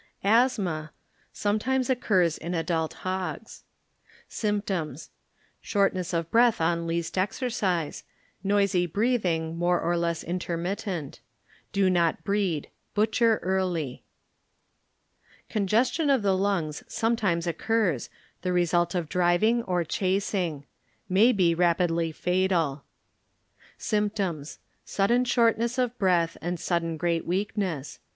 Asthma sometimes occurs in adult hogs. Symptoms. ŌĆö Shortness of breath on lease exercise, noisy breathing, more or less intermittent. Do not breed; butcher Congestion of the Lungs sometimes occurs, the result of driving or chasing. May be rapidly fatal. Symptoms. ŌĆö Sudden shortness of breath and sudden great weakness.